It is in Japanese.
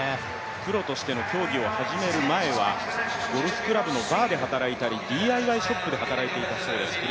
プロとしての競技を始める前はゴルフクラブのバーで働いたりＤＩＹショップで働いていたそうです